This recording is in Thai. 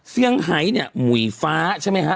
เซี่ยงไฮเนี่ยหมุยฟ้าใช่ไหมคะ